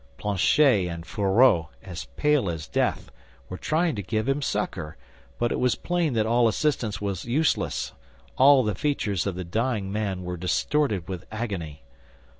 Planchet and Fourreau, as pale as death, were trying to give him succor; but it was plain that all assistance was useless—all the features of the dying man were distorted with agony.